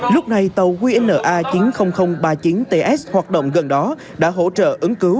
lúc này tàu qna chín mươi nghìn ba mươi chín ts hoạt động gần đó đã hỗ trợ ứng cứu